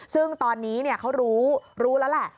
ซึ่งตอนนี้เขารู้แล้วแหละ